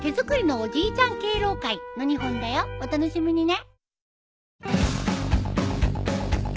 お楽しみにね。